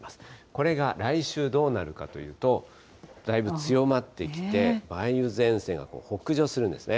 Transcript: これが来週どうなるかというと、だいぶ強まってきて、梅雨前線が北上するんですね。